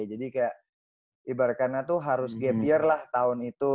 jadi kayak ibaratnya tuh harus gap year lah tahun itu